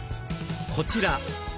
こちら。